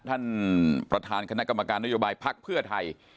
ท่านประธานคณะกรรมการนโยบายพักเพื่อไทย